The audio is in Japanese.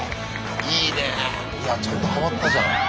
いいねえいやちゃんとハマったじゃん。